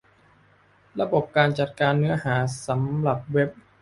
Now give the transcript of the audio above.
ระบบการจัดการเนื้อหาสำหรับเว็บ